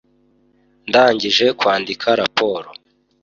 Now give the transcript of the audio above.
Ndangije kwandika raporo